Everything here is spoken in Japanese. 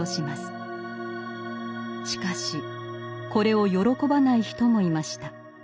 しかしこれを喜ばない人もいました。